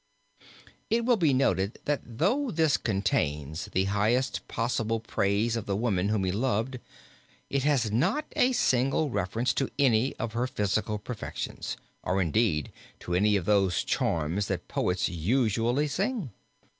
It will be noted that though this contains the highest possible praise of the woman whom he loved, it has not a single reference to any of her physical perfections, or indeed to any of those charms that poets usually sing.